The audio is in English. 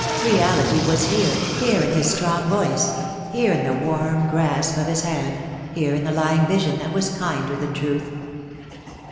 Reality was here, here in his strong voice, here in the warm grasp of his hand, here in the lying vision that was kinder than truth.